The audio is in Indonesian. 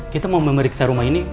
kita mau memeriksa rumah ini